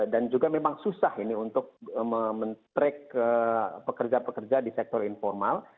dan juga memang susah ini untuk men track pekerja pekerja di sektor informal